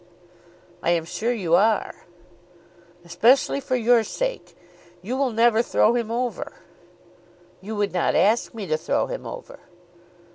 "I am sure you are." "Especially for your sake. You will never throw him over." "You would not ask me to throw him over."